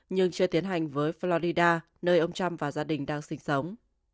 được tiến hành với florida nơi ông trump và gia đình đang sinh sống